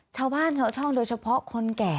ชาวบ้านชาวช่องโดยเฉพาะคนแก่